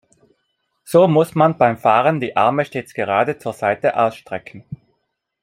So muss man beim Fahren die Arme stets gerade zur Seite ausstrecken.